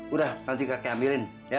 udah nanti kakek ambilin